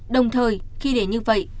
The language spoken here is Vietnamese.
đồng thời khi để như vậy